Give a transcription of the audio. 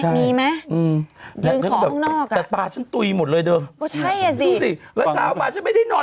มันไม่คิดเรื่องนี้เลยอยู่ดิ